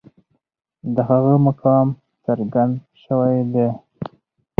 د هغه مقام څرګند شوی دی.